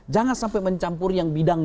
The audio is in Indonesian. jangan sampai mencampuri yang bidang